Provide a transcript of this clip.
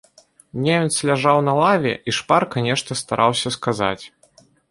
Немец ляжаў на лаве і шпарка нешта стараўся сказаць.